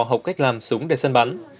một cách làm súng để sân bắn